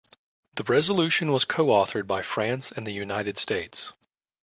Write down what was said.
The resolution was coauthored by France and the United States.